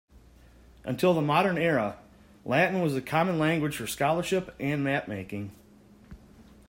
Until the Modern Era, Latin was the common language for scholarship and mapmaking.